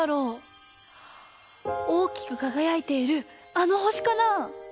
おおきくかがやいているあの星かな？